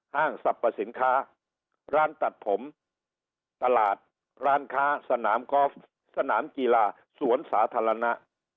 ห้างสรรพสินค้าร้านตัดผมตลาดร้านค้าสนามกอล์ฟสนามกีฬาสวนสาธารณะ